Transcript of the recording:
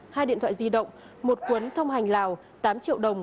hai điện thoại di động một cuốn thông hành lào tám triệu đồng